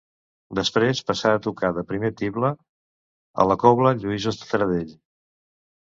Després passà a tocar de primer tible a la cobla Lluïsos de Taradell.